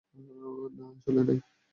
না আসলে নাই।